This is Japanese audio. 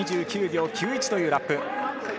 ２９秒９１というラップ。